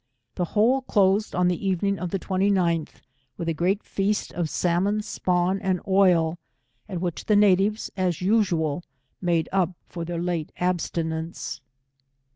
The whole closed on the even ing of the 29tb, with a great feast of salmon spawn and oil, at which the natives, as usual, made up for their late abstinence.